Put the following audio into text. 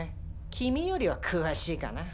君よりは詳しいかな。